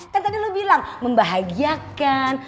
kan tadi lo bilang membahagiakan